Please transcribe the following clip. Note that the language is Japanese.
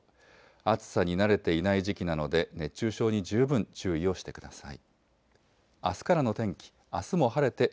暑さに慣れていない時期なので熱中症に十分注意をしてください。